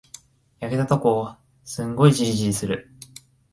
焼けたとこ、すんごいじりじりする。